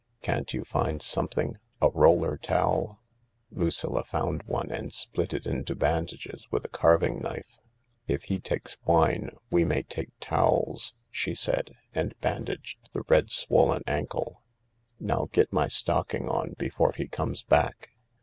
Can't you find something — a roller towel ?" Lucilla found one and split it into bandages with a carv ing knife. " If he takes wine we may take towels," she said, and bandaged the red, swollen ankle. " Now get my stocking on before he comes back.